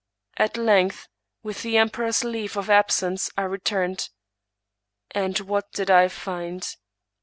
At length, with the emperor's leave of absence, I returned. And what did I find?